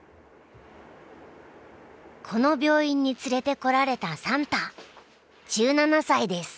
この病院に連れてこられたサンタ１７歳です。